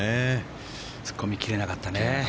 突っ込み切れなかったね。